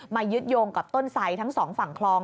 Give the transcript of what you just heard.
มายึดโยงกับต้นไซด์ทั้ง๒ฝั่งคลอง